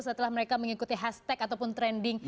setelah mereka mengikuti hashtag ataupun trending